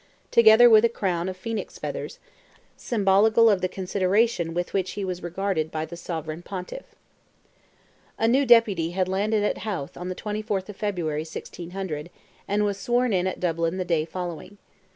together with a crown of phoenix feathers, symbolical of the consideration with which he was regarded by the Sovereign Pontiff. A new Deputy had landed at Howth on the 24th of February, 1600, and was sworn in at Dublin the day following.